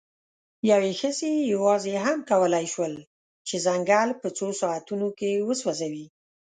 یوې ښځې یواځې هم کولی شول، چې ځنګل په څو ساعتونو کې وسوځوي.